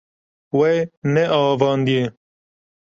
We neavandiye.